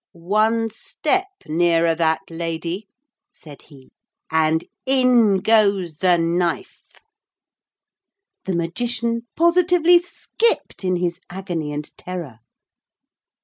'One step nearer that lady,' said he, 'and in goes the knife.' The Magician positively skipped in his agony and terror.